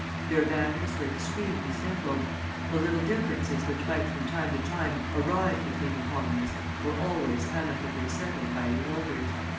Their manners were extremely simple; the little differences which might from time to time arise between the colonists were always amicably settled by the elders.